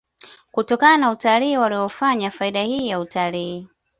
kutokana na utalii waliyoufanya faida hii ya utalii